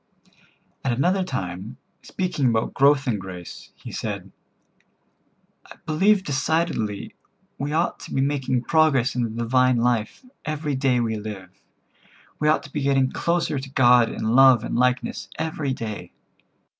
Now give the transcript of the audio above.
At another time, speaking about growth in grace, he said: "I believe decidedly we ought to be making progress in the divine life every day we live. We ought to be getting closer to God in love and likeness every day."